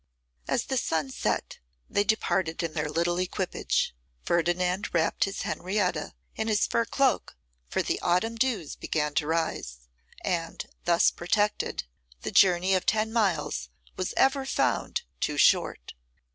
As the sun set they departed in their little equipage. Ferdinand wrapped his Henrietta in his fur cloak, for the autumn dews began to rise, and, thus protected, the journey of ten miles was ever found too short.